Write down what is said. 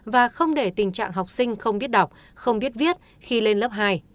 và không để tình trạng học sinh không biết đọc không biết viết khi lên lớp hai